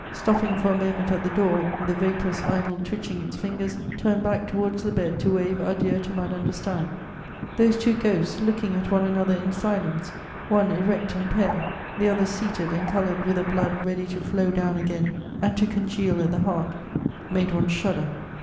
Stopping for a moment at the door, "the vaporous idol twitching its fingers" turned back towards the bed to wave adieu to Madame de Staël. Those two ghosts looking at one another in silence, one erect and pale, the other seated and coloured with a blood ready to flow down again and to congeal at the heart, made one shudder.